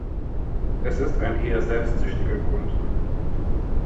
Es ist ein eher selbstsüchtiger Grund.